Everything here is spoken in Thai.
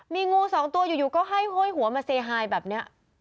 มีงูสองตัวอยู่ก็ให้ห้อยหัวมาเซไฮแบบนี้